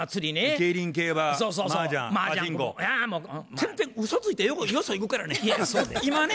全然うそついてよそ行くからね。